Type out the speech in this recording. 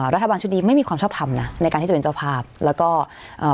รัฐบาลชุดนี้ไม่มีความชอบทำนะในการที่จะเป็นเจ้าภาพแล้วก็อ่า